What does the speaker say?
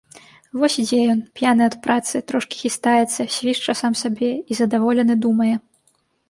Вось ідзе ён, п'яны ад працы, трошкі хістаецца, свішча сам сабе і, задаволены, думае.